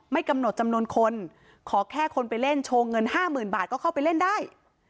กำหนดจำนวนคนขอแค่คนไปเล่นโชว์เงินห้าหมื่นบาทก็เข้าไปเล่นได้